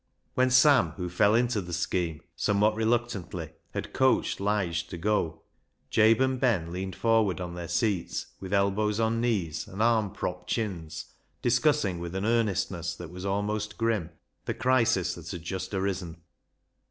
When Sam, who fell into the scheme some what reluctantly, had coaxed Lige to go, Jabe LIGE'S LEGACY 189 and Ben leaned forward on their seats, with elbows on knees and arm propped chins, dis cussing with an earnestness that was almost grim the crisis that had just arisen.